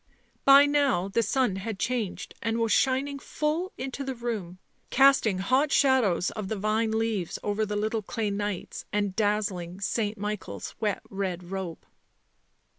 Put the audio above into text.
By now the sun had changed and was shining full into the room, casting hot shadows of the vine leaves over the little clay knights, and dazzling St. Michael's wet red robe.